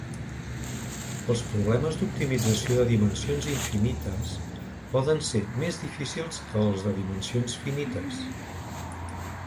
Els problemes d'optimització de dimensions infinites poden ser més difícils que els de dimensions finites.